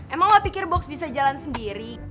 emang gue pikir box bisa jalan sendiri